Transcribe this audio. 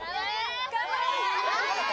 頑張れ！